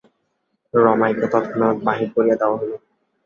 রমাইকে তৎক্ষণাৎ বাহির করিয়া দেওয়া হইল।